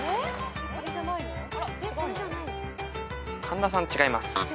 神田さん違います。